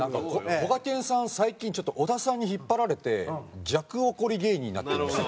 こがけんさんは最近ちょっと小田さんに引っ張られて弱怒り芸人になってるんですよ。